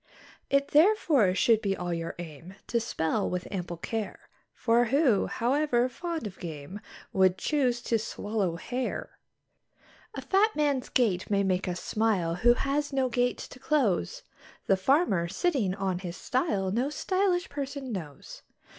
It therefore should be all your aim to spell with ample care; For who, however fond of game, would choose to swallow hair? A fat man's gait may make us smile, who has no gate to close; The farmer, sitting on his stile no _sty_lish person knows.